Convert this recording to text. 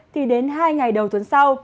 thì đến hai ngày đầu tuần sau